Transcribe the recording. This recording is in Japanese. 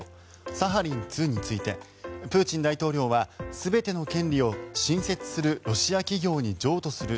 サハリン２についてプーチン大統領は全ての権利を新設するロシア企業に譲渡する